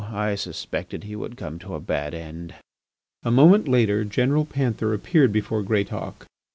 I suspected he would come to a bad end." A moment later General Panther appeared before Greatauk.